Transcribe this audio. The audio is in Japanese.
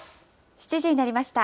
７時になりました。